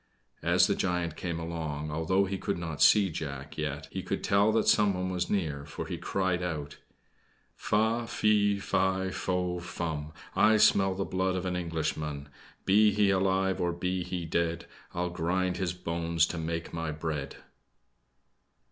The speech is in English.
As the giant came along, although he could not see Jack, yet he could tell that someone was near for he cried out: "Fa, fe, fi, fo, fum, I smell the blood of an Englishman Be he alive, or be he dead, I'll grind his bones to make my bread."